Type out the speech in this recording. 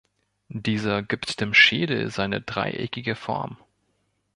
Dieser gibt dem Schädel seine dreieckige Form.